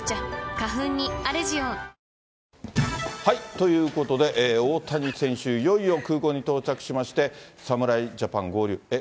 ということで、大谷選手、いよいよ空港に到着しまして、侍ジャパン合流へ。